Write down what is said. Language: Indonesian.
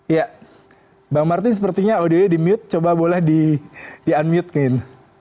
ya bang martin sepertinya audionya di mute coba boleh di unmute kan